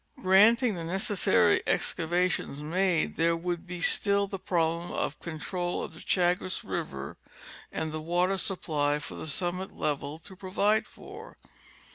Granting the necessary excavations made, there would be still the problem of the control of the Chagres river and the water supply for the summit level to provide for.